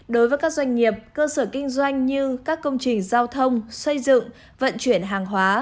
đối với các doanh nghiệp cơ sở kinh doanh như các công trình giao thông xây dựng vận chuyển hàng hóa